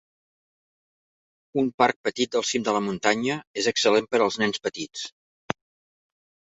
Un parc petit al cim de la muntanya és excel·lent per als nens petits.